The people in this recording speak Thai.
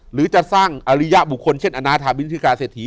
หรือจะสร้างอริยบุคคลเช่นอนาธาบินชื่อกาเศรษฐี